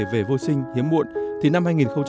về vô sinh hiếm muộn thì năm hai nghìn một mươi sáu